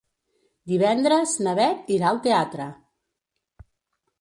Divendres na Bet irà al teatre.